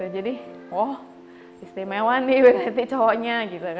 jadi wah istimewa nih berarti cowoknya